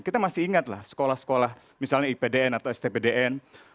kita masih ingatlah sekolah sekolah misalnya ipdn atau stpdn